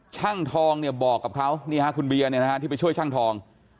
ช่างทองเนี่ยบอกกับเขานี่ฮะคุณเบียร์ที่ไปช่วยช่างทอง